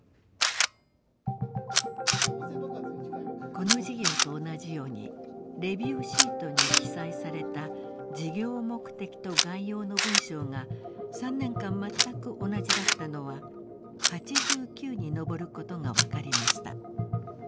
この事業と同じようにレビューシートに記載された事業目的と概要の文章が３年間全く同じだったのは８９に上ることが分かりました。